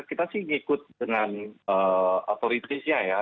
kita sih ngikut dengan authorities nya ya